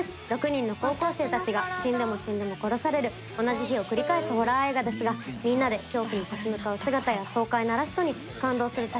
６人の高校生たちが死んでも死んでも殺される同じ日を繰り返すホラー映画ですがみんなで恐怖に立ち向かう姿や爽快なラストに感動する作品となっています。